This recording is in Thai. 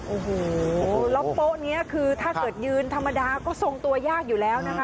โอ้โหแล้วโป๊ะนี้คือถ้าเกิดยืนธรรมดาก็ทรงตัวยากอยู่แล้วนะคะ